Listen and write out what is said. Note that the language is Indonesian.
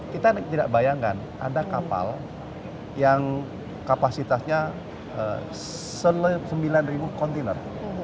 kita tidak bayangkan ada kapal yang kapasitasnya sembilan ribu kontainer